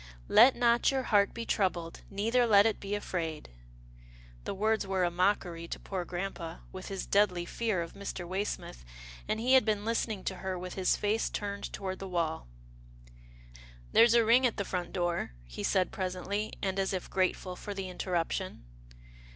" Let not your heart be troubled, neither let it be afraid," the words were a mockery to poor grampa, with his deadly fear of Mr. Waysmith, and he had been listening to her with his face turned toward the wall. " There's a ring at the front door," he said, presently, and as if grateful for the interruption.